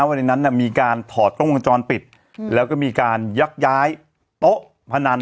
วันนั้นมีการถอดกล้องวงจรปิดแล้วก็มีการยักย้ายโต๊ะพนัน